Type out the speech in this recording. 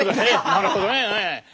なるほどね。